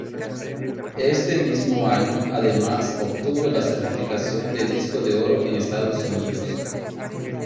Este mismo año además obtuvo la certificación de disco de oro en Estados Unidos.